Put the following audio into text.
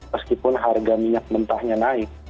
meskipun harga minyak mentahnya naik